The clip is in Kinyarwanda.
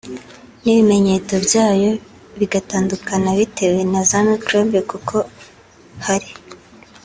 n’ibimenyeto byayo bigatandukana bitewe na za microbe kuko hari